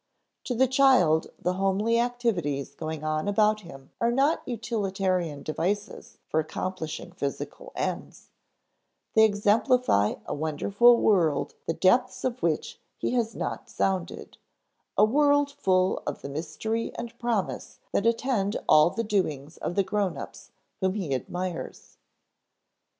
To the child the homely activities going on about him are not utilitarian devices for accomplishing physical ends; they exemplify a wonderful world the depths of which he has not sounded, a world full of the mystery and promise that attend all the doings of the grown ups whom he admires.